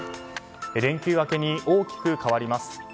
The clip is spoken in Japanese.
連休明けに大きく変わります。